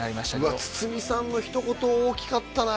うわ堤さんのひと言大きかったね